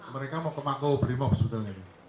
mereka mau ke makobrimob sebetulnya